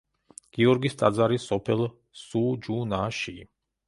გიორგის ტაძარი, სოფელ სუჯუნაში.